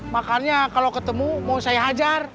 makanya kalau ketemu mau saya hajar